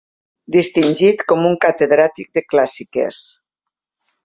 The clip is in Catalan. Distingit com un catedràtic de clàssiques.